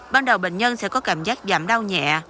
ban đầu bệnh nhân sẽ có cảm giác giảm đau nhẹ